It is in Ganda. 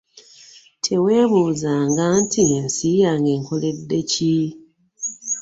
Teweebuuzanga nti ensi yange enkoledde ki?